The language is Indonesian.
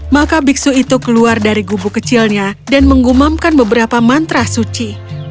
maka biksu itu keluar dari gubu kecilnya dan menggumamkan beberapa mantra suci